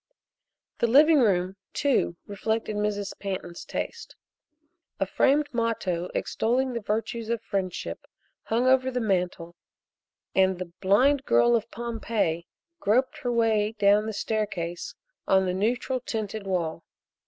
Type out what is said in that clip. The living room, too, reflected Mrs. Pantin's taste. A framed motto extolling the virtues of friendship hung over the mantel and the "Blind Girl of Pompeii" groped her way down the staircase on the neutral tinted wall.